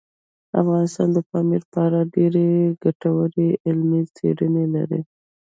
افغانستان د پامیر په اړه ډېرې ګټورې علمي څېړنې لري.